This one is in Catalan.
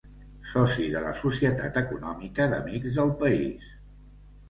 Soci de la Societat Econòmica d'Amics del País.